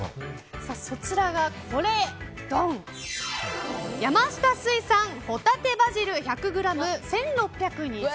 そちらが、山下水産ほたてバジル１００ｇ１６２０円です。